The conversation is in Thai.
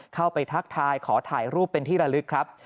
ทักทายขอถ่ายรูปเป็นที่ระลึกครับ